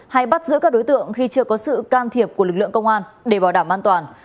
hay bắt giữ các đối tượng khi chưa có sự can thiệp của lực lượng công an để bảo đảm an toàn